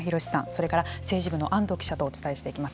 それから政治部の安藤記者とお伝えしていきます。